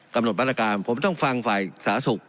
กำหนดมาตรการผมต้องฟังฝ่ายสาธารณสุข